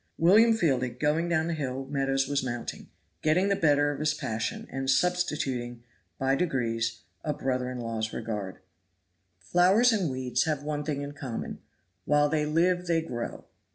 William Fielding going down the hill Meadows was mounting; getting the better of his passion, and substituting, by degrees, a brother in law's regard. Flowers and weeds have one thing in common while they live they grow.